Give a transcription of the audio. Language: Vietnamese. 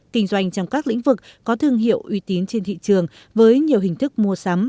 kinh doanh trong các lĩnh vực có thương hiệu uy tín trên thị trường với nhiều hình thức mua sắm